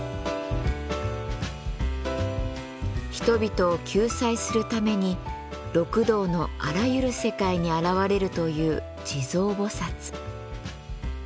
人々を救済するために六道のあらゆる世界に現れるという地蔵菩薩。